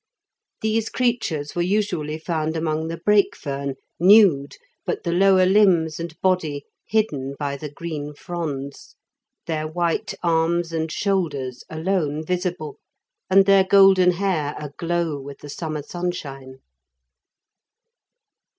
These creatures were usually found among the brake fern, nude, but the lower limbs and body hidden by the green fronds, their white arms and shoulders alone visible, and their golden hair aglow with the summer sunshine.